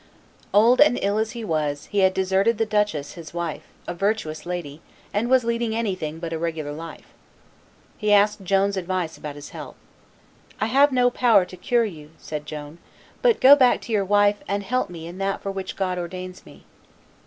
Old and ill as he was, he had deserted the duchess his wife, a virtuous lady, and was leading anything but a regular life. He asked Joan's advice about his health. "I have no power to cure you," said Joan, "but go back to your wife and help me in that for which God ordains me."